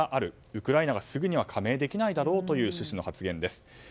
ウクライナはすぐには加盟できないだろうという趣旨の発言です。